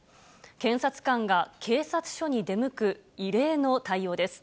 検察官が警察署に出向く、異例の対応です。